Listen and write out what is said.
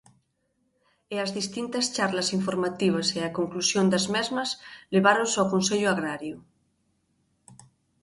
E as distintas charlas informativas e a conclusión das mesmas leváronse ao Consello Agrario.